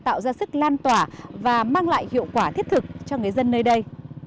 tạo ra sức lan tỏa và mang lại hiệu quả thiết thực cho người dân nơi đây